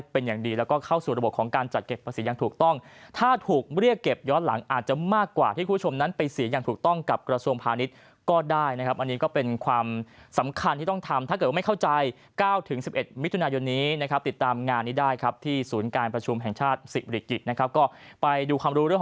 เป็นอย่างดีแล้วก็เข้าสู่ระบบของการจัดเก็บภาษีอย่างถูกต้องถ้าถูกเรียกเก็บย้อนหลังอาจจะมากกว่าที่คุณชมนั้นไปสีอย่างถูกต้องกับกระทรวมพาณิชย์ก็ได้นะครับอันนี้ก็เป็นความสำคัญที่ต้องทำถ้าเกิดว่าไม่เข้าใจเก้าถึงสิบเอ็ดมิถุนายนนี้นะครับติดตามงานนี้ได้ครับที่ศูนย์การประชุ